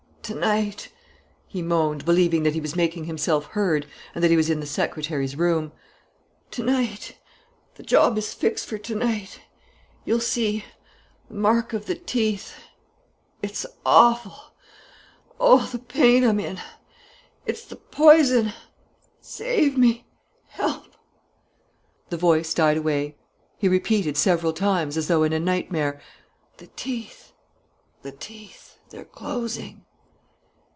"To night!" he moaned, believing that he was making himself heard and that he was in the secretary's room. "To night! The job is fixed for to night! You'll see ... The mark of the teeth! ... It's awful! ... Oh, the pain I'm in! ... It's the poison! Save me! Help!" The voice died away. He repeated several times, as though in a nightmare: "The teeth! the teeth! They're closing!"